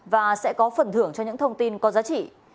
và sẽ có phần thưởng cho những thông tin có giá trị